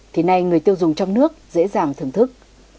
thì nay người tiêu dùng trong nước dễ dàng thưởng thức